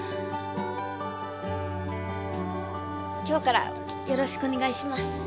今日からよろしくお願いします。